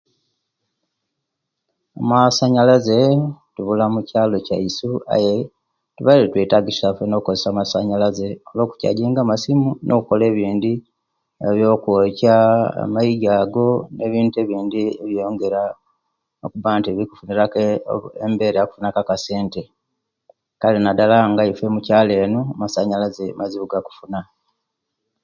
Amasanyalaze tubula mukyalo kyaisu aye tubaire tuwetagisa fena okozesa amasanyalaze olwo kukyajinga amasimu no okola ebindi ebyokwokya amaigi ago nebintu ebindi ebiba nga bikufunira ku embera yokufuna ku akasente kale nadala nga ife owaisu mukyalo enu amasanyalaze mazibu gokufuna